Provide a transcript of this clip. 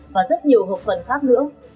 và rất nhiều hợp phẩm khác nữa